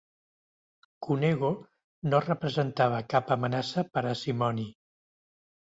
Cunego no representava cap amenaça per a Simoni.